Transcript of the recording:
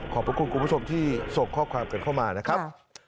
ขอบคุณคุณผู้ชมที่ส่งข้อความกันเข้ามานะครับ